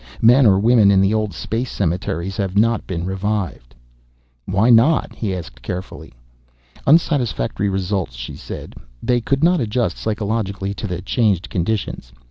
Men or women in the old space cemeteries have not been revived." "Why not?" he asked carefully. "Unsatisfactory results," she said. "They could not adjust psychologically to changed conditions.